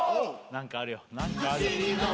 何かあるよ